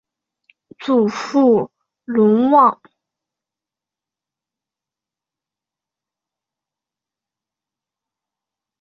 祖父娄旺。